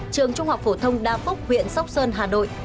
trường trung học phổ thông đa phúc huyện sóc sơn hà nội